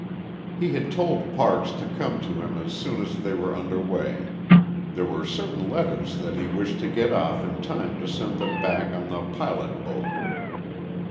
He had told Parks to come to him as soon as they were under way. There were certain letters that he wished to get off in time to send them back on the pilot boat.